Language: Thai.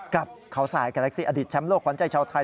กับเขาสายการแท็กซี่อดีตแชมป์โลกขวัญใจชาวไทย